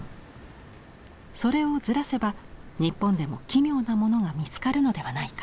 それをずらせば日本でも奇妙なものが見つかるのではないか。